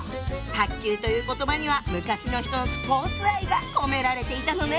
「卓球」という言葉には昔の人のスポーツ愛が込められていたのね。